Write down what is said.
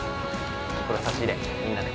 これ差し入れみんなで。